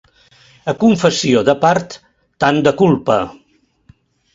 A confessió de part, tant de culpa.